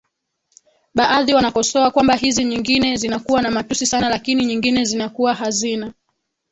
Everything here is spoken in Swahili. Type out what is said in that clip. baadhi wanakosoa kwamba hizi nyingine zinakuwa na matusi sana lakini nyingine zinakuwa hazina